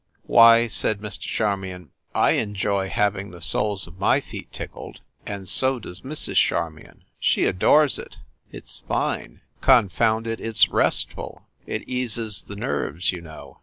"Why," said Mr. Charmion, "I enjoy having the soles of my feet tickled, and so does Mrs. Char mion. She adores it. It s fine. Confound it, it s restful. It eases the nerves, you know.